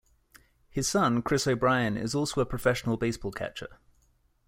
His son, Chris O'Brien, is also a professional baseball catcher.